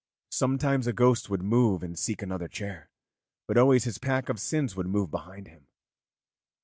Sometimes a ghost would move and seek another chair, but always his pack of sins would move behind him.